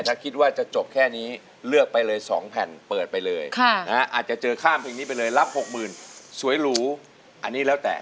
ถ้าคิดว่าจะจบแค่นี้เลือกไปเลย๒แผ่นเปิดไปเลยอาจจะเจอข้ามเพลงนี้ไปเลยรับ๖๐๐๐สวยหรูอันนี้แล้วแต่